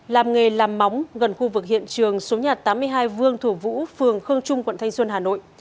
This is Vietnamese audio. làm nghề làm móng gần khu vực hiện trường số nhà tám mươi hai vương thổ vũ phường khương trung quận thanh xuân hà nội